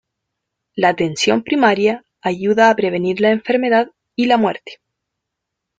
La atención primaria ayuda a prevenir la enfermedad y la muerte.